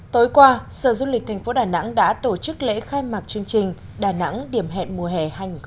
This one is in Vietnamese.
tối qua sở du lịch tp đà nẵng đã tổ chức lễ khai mạc chương trình đà nẵng điểm hẹn mùa hè hai nghìn một mươi chín